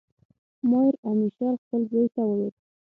مایر امشیل خپل زوی ته وویل.